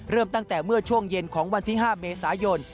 เริ่มตั้งแต่เมื่อช่วงเย็นของวันที่๕เมษายน